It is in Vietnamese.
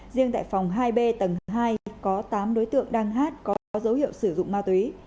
riêng tại phòng hai b tầng hai có tám đối tượng đang hát có dấu hiệu sử dụng ma túy